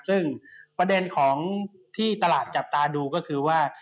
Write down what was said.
ซึ่งประเด็นของที่ตลาดจับตาดูก็คือว่า